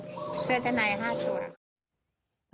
เชื้อจนัยห้าตัว